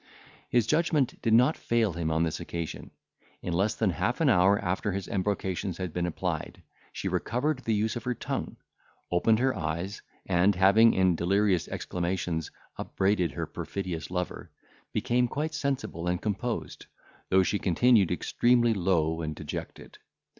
His judgment did not fail him on this occasion. In less than half an hour after his embrocations had been applied, she recovered the use of her tongue, opened her eyes, and having, in delirious exclamations, upbraided her perfidious lover, became quite sensible and composed, though she continued extremely low and dejected.